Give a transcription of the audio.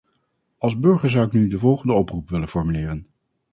Als burger zou ik nu de volgende oproep willen formuleren.